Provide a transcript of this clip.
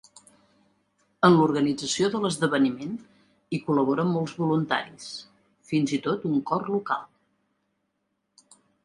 En l'organització de l'esdeveniment hi col·laboren molts voluntaris, fins i tot un cor local.